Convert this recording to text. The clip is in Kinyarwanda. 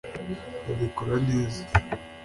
babikora neza